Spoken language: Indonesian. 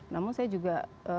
namun saya juga